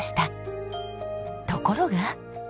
ところが。